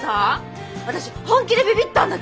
私本気でびびったんだけど。